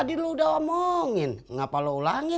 tadi lu udah omongin kenapa lu ulangin